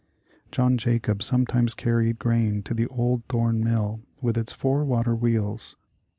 John Jacob sometimes carried grain to the old Thorn Mill with its four water wheels.